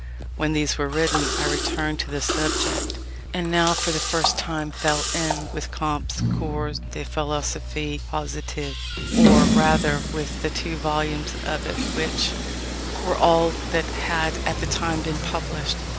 When these were written, I returned to the subject, and now for the first time fell in with Comte's Cours de Philosophie Positive, or rather with the two volumes of it which were all that had at that time been published.